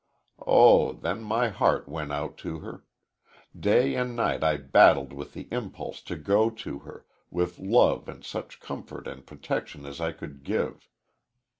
"Oh, then my heart went out to her! Day and night I battled with the impulse to go to her, with love and such comfort and protection as I could give.